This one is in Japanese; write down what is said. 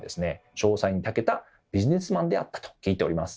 商才にたけたビジネスマンであったと聞いております。